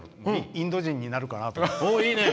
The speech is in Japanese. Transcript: インド人になるかなって。